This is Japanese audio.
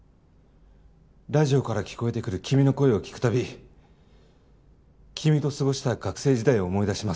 ラジオから聴こえてくる君の声を聴く度君と過ごした学生時代を思い出します。